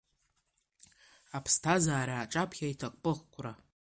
Аԥсҭазаара аҿаԥхьа иҭакԥхықәра.